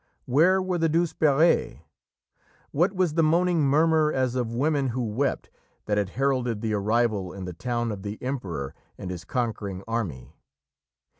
Where were the Douzeperes? What was the moaning murmur as of women who wept, that had heralded the arrival in the town of the Emperor and his conquering army?